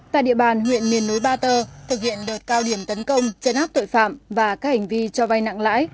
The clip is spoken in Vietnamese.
tại địa bàn huyện miền núi ba tơ thực hiện đợt cao điểm tấn công chấn áp tội phạm và các hành vi cho vay nặng lãi